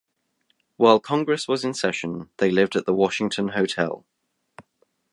While Congress was in session, they lived at the Washington Hotel.